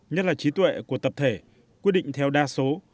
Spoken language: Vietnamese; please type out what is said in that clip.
nhất là trí tuệ của tập thể quyết định theo đa số